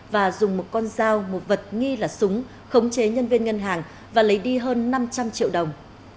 và dùng một con dao một vật nghi là súng khống chế nhân viên ngân hàng và lấy đi hơn năm trăm linh triệu đồng